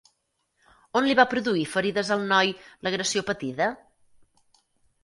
On li va produir ferides al noi l'agressió patida?